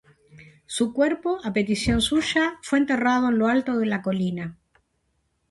Su cuerpo, a petición suya, fue enterrado en lo alto de la colina.